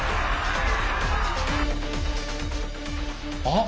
あっ！